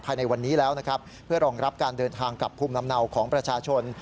ภายในวันนี้แล้วนะครับเพื่อรองรับการเดินทางกับภูมิลำเนาของประชาชน